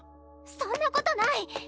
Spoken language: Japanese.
・そんなことない！